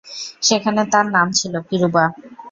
সেখানে তার নাম ছিল, কিরুবা।